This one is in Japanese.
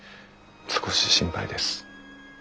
少し心配です。